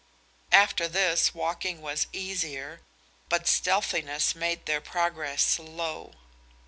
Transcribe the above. After this walking was easier, but stealthiness made their progress slow.